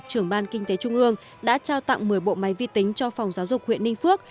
trưởng ban kinh tế trung ương đã trao tặng một mươi bộ máy vi tính cho phòng giáo dục huyện ninh phước